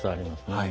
はい。